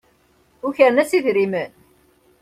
Ukren-as idrimen.